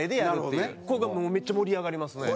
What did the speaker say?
これがもうめっちゃ盛り上がりますね。